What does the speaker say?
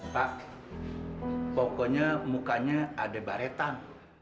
pak pokoknya mukanya ada baretan